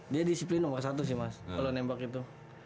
dia disiplin nomor satu sih mas kalo nembak gitu